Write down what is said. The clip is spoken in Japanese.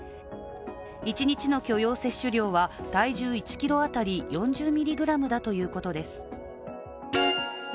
１日の許容摂取量は体重１ｋｇ当たり４０ｍｇだということです。